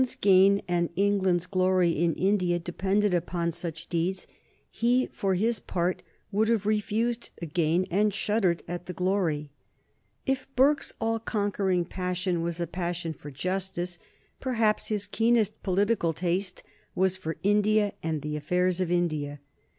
But if England's gain and England's glory in India depended upon such deeds, he for his part would have refused the gain and shuddered at the glory. If Burke's all conquering passion was a passion for justice, perhaps his keenest political taste was for India and the affairs of India.